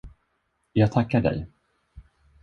Jag tackar dig.